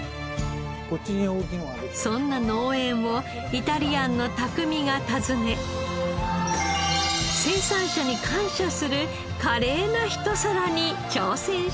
そんな農園をイタリアンの匠が訪ね生産者に感謝する華麗な一皿に挑戦します。